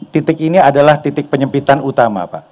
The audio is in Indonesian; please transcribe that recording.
titik ini adalah titik penyempitan utama pak